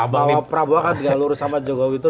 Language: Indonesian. bahwa prabowo kan digalur sama jokowi terus